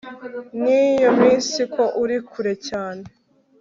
n'iyo minsi ko uri kure cyane